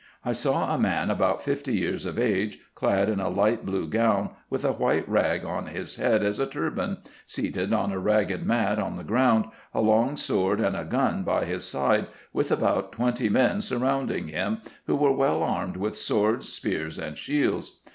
I saw a man about fifty years of age, clad in a light blue gown, with a white rag on his head as a turban, seated on a ragged mat, on the ground, a long sword and a gun by his side, with about twenty men surrounding him, who were well armed with swords, spears, and shields.